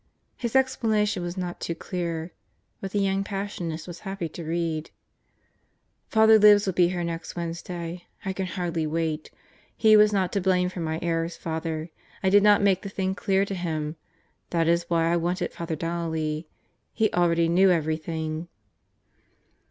His explanation was not too clear, but the young Passionist was happy to read: Father Libs will be here next Wednesday. I can hardly wait. He was not to blame for my errors. Father. I did not make the thing clear to him. That is why I wanted Father Donnelly he already knew everything.